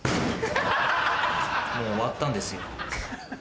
もう終わったんですよ。